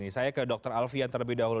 saya ke dr alfian terlebih dahulu